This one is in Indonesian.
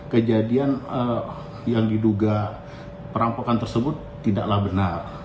kejadian yang diduga perampokan tersebut tidaklah benar